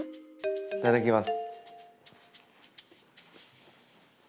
いただきます。